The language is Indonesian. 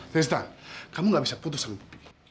testa kamu nggak bisa putus sama be